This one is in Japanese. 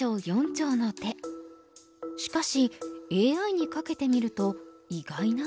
しかしＡＩにかけてみると意外な結果が。